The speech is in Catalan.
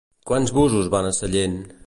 Quins busos van a Sallent?